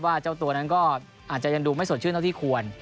เจ้าตัวนั้นก็อาจจะยังดูไม่สดชื่นเท่าที่ควร